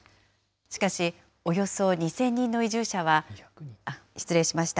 しかし、およそ２０００人の移住者は、失礼しました。